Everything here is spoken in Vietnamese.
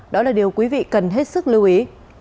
đó là điều quý vị cần hết sức lưu ý